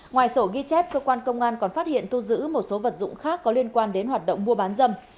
ngoài sổ ghi chép cơ quan công an còn phát hiện thu giữ một số vật dụng khác có liên quan đến hoạt động mua bán dâm